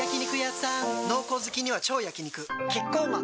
濃厚好きには超焼肉キッコーマン